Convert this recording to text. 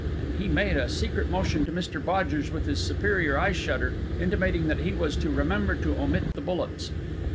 And he made a secret motion to Mr Bodgers with his superior eyeshutter, intimating that he was to remember to omit the bullets.